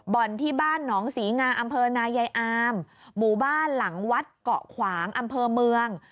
ที่บ้านหนองศรีงาอำเภอนายายอามหมู่บ้านหลังวัดเกาะขวางอำเภอเมือง